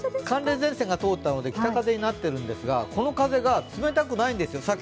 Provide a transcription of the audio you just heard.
寒冷前線が通ったので北風になったんですが、冷たくないんですよ